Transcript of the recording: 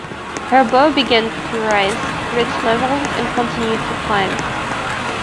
Her bow began to rise, reached level, and continued to climb.